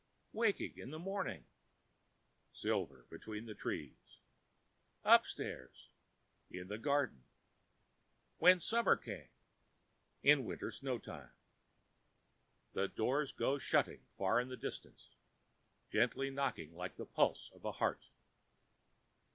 "Waking in the morning—" "Silver between the trees—" "Upstairs—" "In the garden—" "When[Pg 6] summer came—" "In winter snowtime—" The doors go shutting far in the distance, gently knocking like the pulse of a heart.